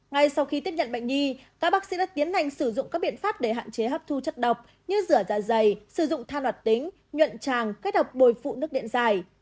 ngay sau khi tiếp nhận bệnh nhi các bác sĩ đã tiến hành sử dụng các biện pháp để hạn chế hấp thu chất độc như rửa da dày sử dụng than hoạt tính nhuộn tràng kết hợp bồi phụ nước điện dài